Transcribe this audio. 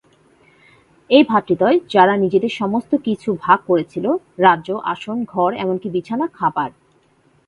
এই ভাতৃদ্বয়, যারা নিজেদের সমস্ত কিছু ভাগ করেছিল: রাজ্য, আসন, ঘর এমনকি বিছানা, খাবার।